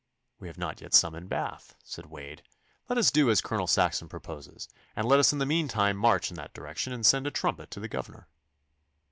'We have not yet summoned Bath,' said Wade. 'Let us do as Colonel Saxon proposes, and let us in the meantime march in that direction and send a trumpet to the governor.